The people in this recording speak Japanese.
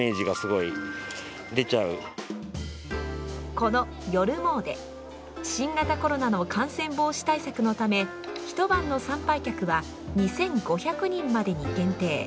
このＹＯＲＵＭＯ−ＤＥ、新型コロナの感染防止対策のため一晩の参拝客は２５００人までに限定。